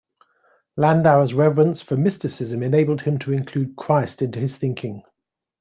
Landauer's reverence for mysticism enabled him to include Christ into his thinking.